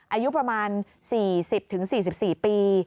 อายุประมาณ๔๐๔๔ปี